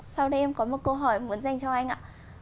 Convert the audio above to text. sau đây em có một câu hỏi muốn dành cho anh ạ